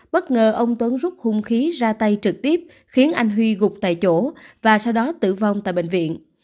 bất ngờ ông tuấn rút hung khí ra tay trực tiếp khiến anh huy gục tại chỗ và sau đó tử vong tại bệnh viện